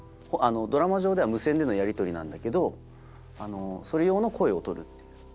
ドラマ上では無線でのやりとりなんだけどそれ用の声を録るっていう。